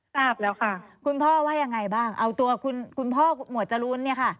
ทราบแล้วค่ะคุณพ่อว่ายังไงบ้างเอาตัวคุณพ่อหมวดจรูนเนี่ยค่ะ